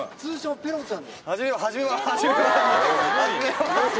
ペロちゃん！